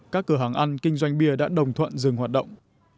các cửa hàng ăn kinh doanh bia đã đồng thuận dừng hoạt động